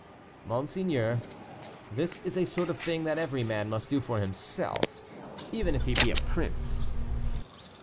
"Monseigneur, this is a sort of thing that every man must do for himself, even if he be a prince."